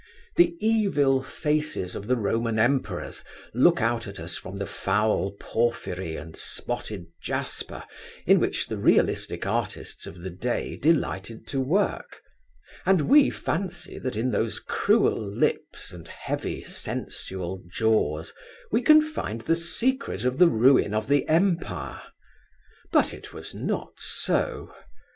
The evil faces of the Roman emperors look out at us from the foul porphyry and spotted jasper in which the realistic artists of the day delighted to work, and we fancy that in those cruel lips and heavy sensual jaws we can find the secret of the ruin of the Empire. But it was not so.